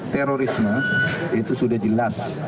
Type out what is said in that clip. terorisme itu sudah jelas